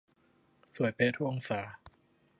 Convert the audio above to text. สวยเป๊ะทุกองศา